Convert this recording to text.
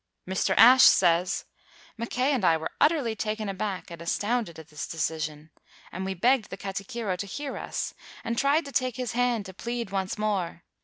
Mr. Ashe says: "Mackay and I were ut terly taken aback and astounded at this de cision, and we begged the katikiro to hear us, and tried to take his hand to plead once more.